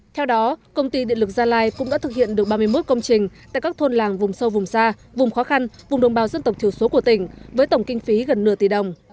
theo đó công ty điện lực gia lai cũng đã thực hiện được ba mươi một công trình tại các thôn làng vùng sâu vùng xa vùng khó khăn vùng đồng bào dân tộc thiểu số của tỉnh với tổng kinh phí gần nửa tỷ đồng